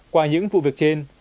qua những vụ việc trên